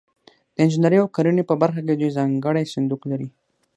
د انجنیري او کرنې په برخه کې دوی ځانګړی صندوق لري.